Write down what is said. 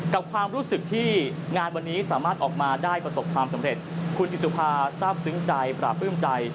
ความรู้สึกที่งานวันนี้สามารถออกมาได้ประสบความสำเร็จคุณจิตสุภาทราบซึ้งใจปราบปลื้มใจ